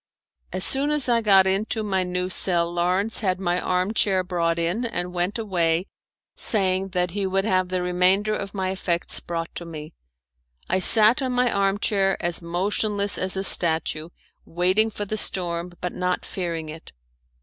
As soon as I got into my new cell Lawrence had my arm chair brought in, and went away, saying that he would have the remainder of my effects brought to me. I sat on my arm chair as motionless as a statue, waiting for the storm, but not fearing it.